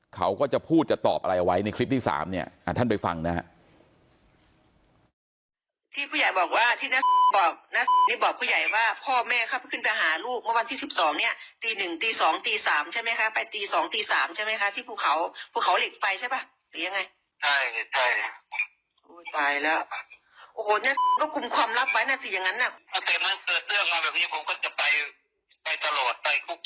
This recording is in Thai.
เขาก็จะพูดจะตอบอะไรเอาไว้ในคลิปที่๓เนี่ยท่านไปฟังนะฮะ